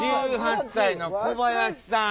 １８歳の小林さん。